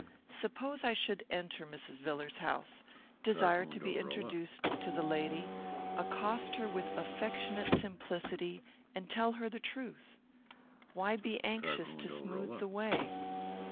Suppose I should enter Mrs. Villars's house, desire to be introduced to the lady, accost her with affectionate simplicity, and tell her the truth? Why be anxious to smooth the way?